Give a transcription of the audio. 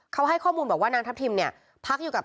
เขาให้ข้อมูลบอกว่านางทัพทิมเนี่ยพักอยู่กับ